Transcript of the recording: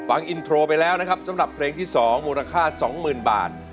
ฟังอินโทรไปแล้วนะครับสำหรับเพลงที่๒มูลค่า๒๐๐๐บาท